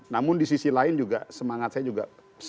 namun di sisi lain juga semangat saya juga